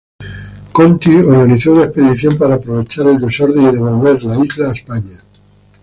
Conti organizó una expedición para aprovechar el desorden y devolver la isla a España.